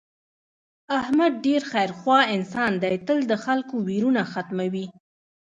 احمد ډېر خیر خوا انسان دی تل د خلکو ویرونه ختموي.